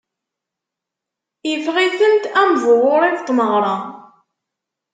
Iffeɣ-itent am bu wuṛiḍ n tmeɣṛa.